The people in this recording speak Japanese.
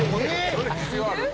「それ必要ある？」